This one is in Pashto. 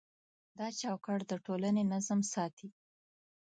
دا چوکاټ د ټولنې نظم ساتي.